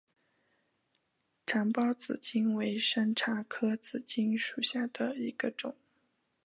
长苞紫茎为山茶科紫茎属下的一个种。